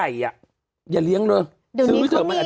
สงสารคนที่อยู่คอนโดมันเกี่ยวกับ